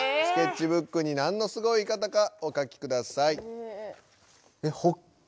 スケッチブックに何のすごい方かお書きください。